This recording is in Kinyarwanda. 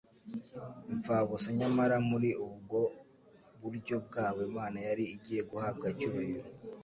imfabusa. Nyamara muri ubwo buryo bwabo Imana yari igiye guhabwa icyubahiro.